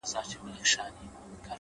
لكه ژړا؛